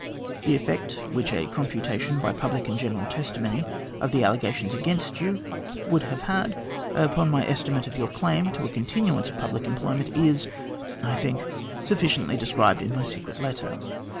The effect which a confutation by public and general testimony of the accusations against you would have had upon my estimate of your claim to a continuance of public employment is, I think, sufficiently described in my secret letter.